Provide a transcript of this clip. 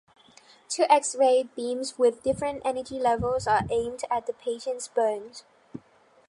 Two X-ray beams, with different energy levels, are aimed at the patient's bones.